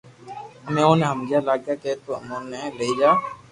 امي اوني ھمجا لاگيا ڪي تو امو ني لئي جا